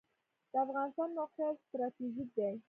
د افغانستان موقعیت ستراتیژیک دی